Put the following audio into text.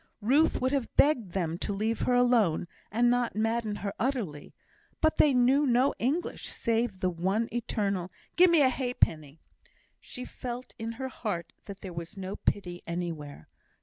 Ruth would have begged them to leave her alone, and not madden her utterly; but they knew no English save the one eternal "Gi' me a halfpenny." She felt in her heart that there was no pity anywhere.